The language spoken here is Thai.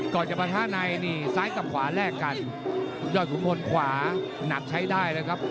จะประทะในนี่ซ้ายกับขวาแลกกันยอดขุนพลขวาหนักใช้ได้เลยครับ